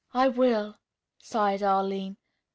"I will," sighed Arline.